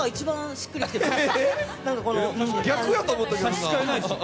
しっくりきてます。